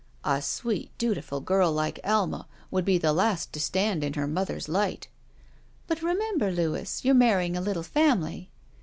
"A sweet, dutiful girl like Alma would be the last to stand in her mother's light." "But remember, Louis, you're marrying a little family."